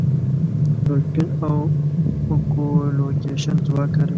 ډولفین اکولوکېشن ځواک کاروي.